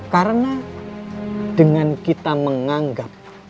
karena dengan kita menganggap